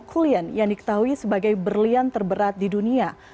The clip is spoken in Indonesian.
klien yang diketahui sebagai berlian terberat di dunia